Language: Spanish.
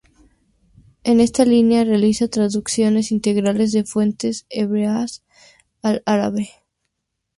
En esta línea, realiza traducciones integrales de fuentes hebreas al árabe.